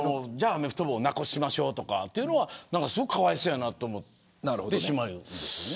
アメフト部をなくしましょうとかはすごくかわいそうやなと思ってしまいます。